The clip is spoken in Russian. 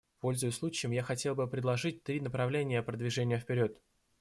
Пользуясь случаем, я хотел бы предложить три направления продвижения вперед.